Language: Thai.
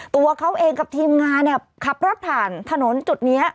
ตัวเขาเองกับทีมงานเนี่ยขับรถผ่านถนนจุดนี้